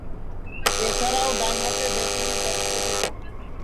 এছাড়াও ডানহাতে ব্যাটিংয়ে দক্ষ তিনি।